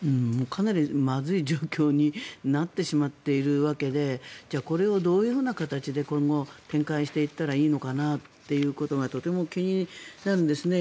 かなりまずい状況になってしまっているわけでじゃあ、これをどういう形で今後展開していったらいいのかなということがとても気になるんですね。